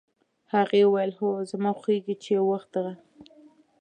هغې وویل: "هو، زما خوښېږي چې یو وخت دغه